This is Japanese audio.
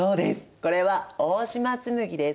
これは大島紬です。